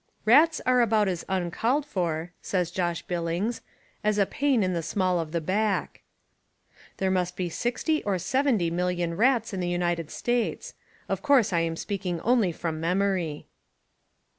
"Rats are about as un called for," says Josh Billings, "as a pain in the small of the back." "There must be 60 or 70 million rats in the United States. Of course I am speaking only from memory."